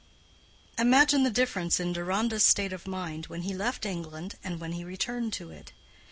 Imagine the difference in Deronda's state of mind when he left England and when he returned to it.